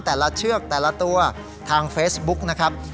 แต่ละเชือกแต่ละตัวทางเฟสบุ๊คนะครับ